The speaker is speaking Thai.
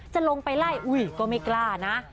จะลงไปไล่อุ้ยก็ไม่กล้านะ